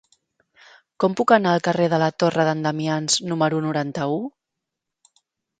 Com puc anar al carrer de la Torre d'en Damians número noranta-u?